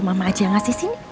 mama aja yang ngasih sini